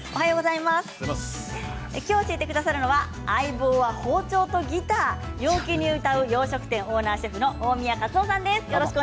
今日教えてくださるのは相棒は包丁とギター陽気に歌う洋食店オーナーシェフの大宮勝雄さんです。